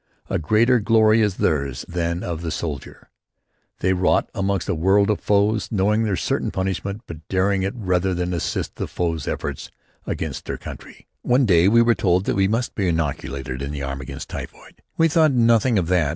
A greater glory is theirs than that of the soldier. They wrought amongst a world of foes, knowing their certain punishment, but daring it rather than assist that foe's efforts against their country. One day we were told that we must be inoculated in the arm against typhoid. We thought nothing of that.